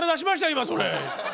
今それ。